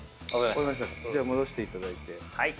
じゃあ戻していただいて。